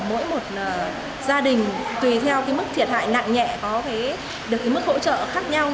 mỗi một gia đình tùy theo cái mức thiệt hại nặng nhẹ có được mức hỗ trợ khác nhau